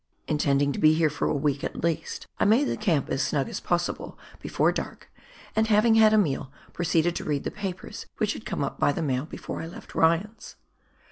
Intending to be here for a week at least, I made the camp as snug as possible before dark, and having had a meal, proceeded to read the papers which had come by the mail before I left Ryan's.